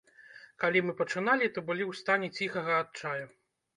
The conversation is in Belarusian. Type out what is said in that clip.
Калі мы пачыналі, то былі ў стане ціхага адчаю.